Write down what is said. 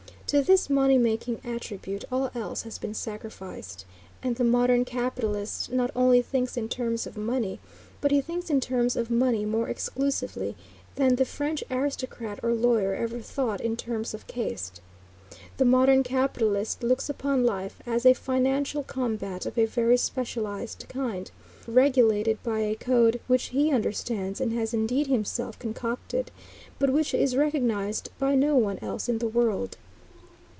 To this money making attribute all else has been sacrificed, and the modern capitalist not only thinks in terms of money, but he thinks in terms of money more exclusively than the French aristocrat or lawyer ever thought in terms of caste. The modern capitalist looks upon life as a financial combat of a very specialized kind, regulated by a code which he understands and has indeed himself concocted, but which is recognized by no one else in the world.